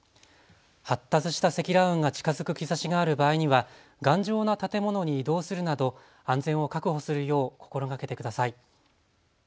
発達した積乱雲が近づく兆しがある場合には頑丈な建物に移動するなど安全を確保するよう心がけてください。